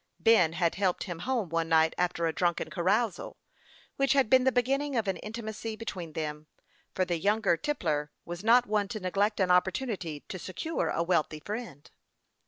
Ben had helped him home one night after a drunken carousal, which had been the beginning of an intimacy between them, for the younger tippler was not one to neglect an opportunity to secure a wealthy friend.